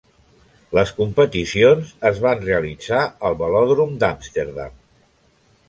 Les competicions es van realitzar al Velòdrom d'Amsterdam.